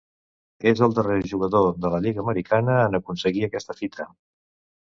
És el darrer jugador de la Lliga Americana en aconseguir aquesta fita.